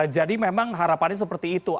jadi memang harapannya seperti itu